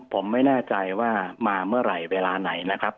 ผมไม่แน่ใจว่ามาเมื่อไหร่เวลาไหนนะครับ